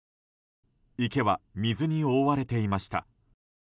池は水に覆われていました。